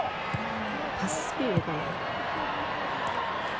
パススピードかな。